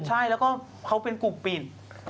ใช่แล้วก็เขาเป็นกลุ่มปิ่น